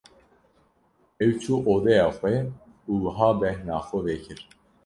Ew çû odeya xwe û wiha bêhna xwe vekir.